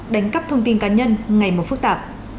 đánh cắp thông tin cá nhân ngày một phức tạp